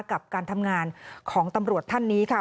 กับการทำงานของตำรวจท่านนี้ค่ะ